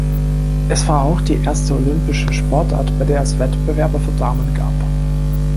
Es war auch die erste olympische Sportart, bei der es Wettbewerbe für Damen gab.